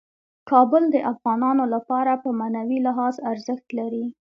کابل د افغانانو لپاره په معنوي لحاظ ارزښت لري.